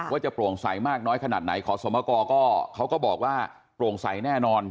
ว่าจะโปร่งใสมากน้อยขนาดไหนขอสมกรก็เขาก็บอกว่าโปร่งใสแน่นอน